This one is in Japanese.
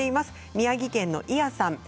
宮城県の方からです。